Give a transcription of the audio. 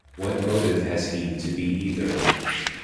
What motive has he to be either?